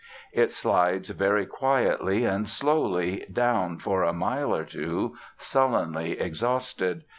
It slides very quietly and slowly down for a mile or two, sullenly exhausted.